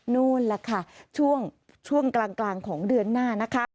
นู่นแหละค่ะช่วงกลางของเดือนหน้านะคะ